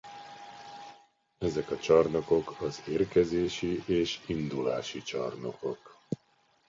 Ezek a csarnokok az érkezési és indulási csarnokok.